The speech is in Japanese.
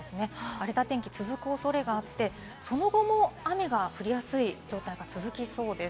荒れた天気が続く恐れがあって、その後も雨が降りやすい状態が続きそうです。